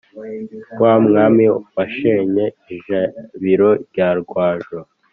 Wa Mwami washenye ijabiro rya Rwajoro*.